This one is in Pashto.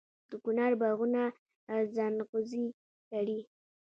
د کونړ باغونه ځنغوزي لري.